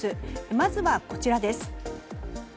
まずは、こちらです。